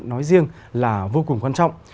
nói riêng là vô cùng quan trọng